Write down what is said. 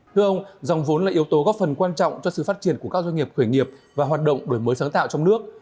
thưa ông dòng vốn là yếu tố góp phần quan trọng cho sự phát triển của các doanh nghiệp khởi nghiệp và hoạt động đổi mới sáng tạo trong nước